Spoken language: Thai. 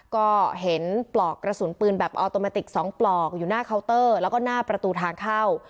ก็เห็นปลอกกระสุนปืนแบบออโตแมติก๒ปลอกอยู่หน้าเคาน์เตอร์แล้วก็หน้าประตูทางเข้า